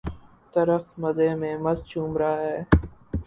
درخت مزے میں مست جھوم رہا ہے